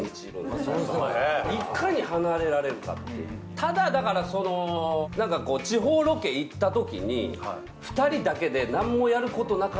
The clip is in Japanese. ただだからその何かこう地方ロケ行ったときに２人だけで。